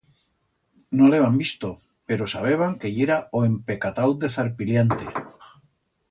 No l'heban visto, pero sabeban que yera o empecatau de Zarpiliante.